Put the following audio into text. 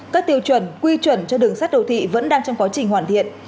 các tiêu chuẩn quy chuẩn cho đường sát đô thị vẫn đang trong quá trình hoàn thiện